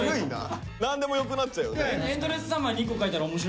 何でもよくなっちゃうよね。